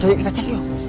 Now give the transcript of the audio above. dik dur kita cek yuk